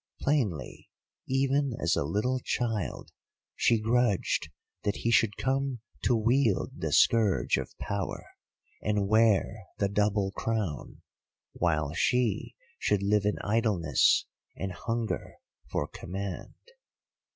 Plainly, even as a little child she grudged that he should come to wield the scourge of power, and wear the double crown, while she should live in idleness, and hunger for command."